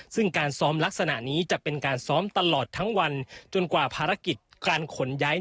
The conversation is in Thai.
ซึ่งการซ้อมลักษณะนี้จะเป็นการซ้อมตลอดทั้งวันจนกว่าภารกิจการขนย้าย